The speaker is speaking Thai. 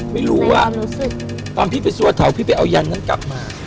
ไม่รู้ว่าตอนพี่ไปซัวเถาพี่ไปเอายันนั้นกลับมา